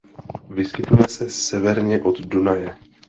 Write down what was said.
Vyskytuje se severně od Dunaje.